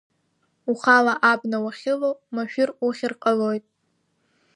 Ухала абна уахьылоу машәыр ухьыр ҟалоит.